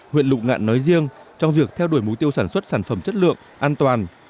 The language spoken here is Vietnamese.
huyện lụng ngạn nói riêng trong việc theo đuổi mục tiêu sản xuất sản phẩm chất lượng an toàn